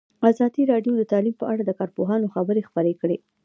ازادي راډیو د تعلیم په اړه د کارپوهانو خبرې خپرې کړي.